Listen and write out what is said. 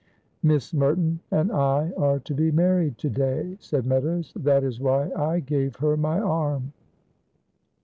"Miss Merton and I are to be married to day," said Meadows, "that is why I gave her my arm."